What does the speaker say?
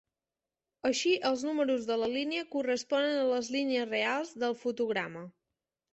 Així els números de la línia corresponen a les línies reals del fotograma.